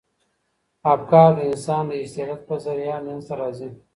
افکار د انسان د استعداد په ذریعه منځ ته راځي.